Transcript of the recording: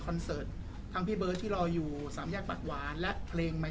เสิร์ตทั้งพี่เบิร์ตที่รออยู่สามแยกปากหวานและเพลงใหม่